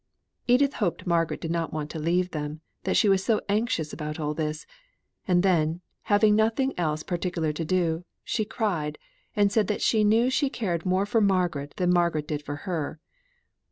Edith hoped Margaret did not want to leave them, that she was so anxious about all this. And then, having nothing else particular to do, she cried, and said that she knew she cared much more for Margaret than Margaret did for her.